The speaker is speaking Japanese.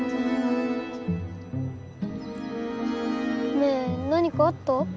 メイ何かあった？